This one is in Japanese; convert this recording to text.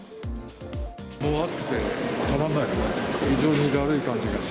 もう暑くて、たまんないです。